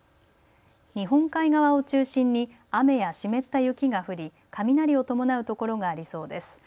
日本海側を中心に雨や湿った雪が降り雷を伴うところがありそうです。